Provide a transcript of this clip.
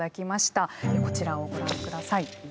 こちらをご覧ください。